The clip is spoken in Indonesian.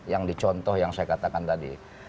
yang dicontoh yang saya katakan tadi